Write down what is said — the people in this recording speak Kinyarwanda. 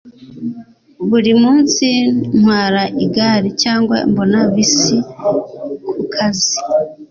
buri munsi ntwara igare cyangwa mbona bisi kukazi